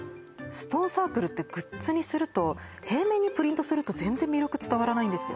ストーンサークルってグッズにすると平面にプリントすると全然魅力伝わらないんですよ